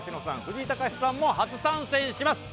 藤井隆さんも初参戦します